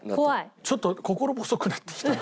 ちょっと心細くなってきたな。